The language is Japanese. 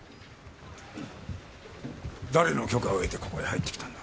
誰の許可を得てここへ入ってきたんだ？